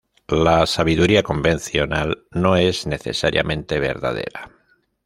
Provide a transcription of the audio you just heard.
La sabiduría convencional no es necesariamente verdadera.